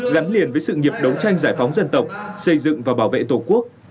gắn liền với sự nghiệp đấu tranh giải phóng dân tộc xây dựng và bảo vệ tổ quốc